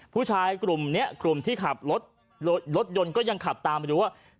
ผู้ชายกลุ่มนี้กลุ่มที่ขับรถรถยนต์ก็ยังขับตามไปดูว่า